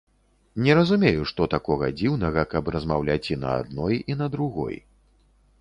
Не разумею, што такога дзіўнага, каб размаўляць і на адной, і на другой.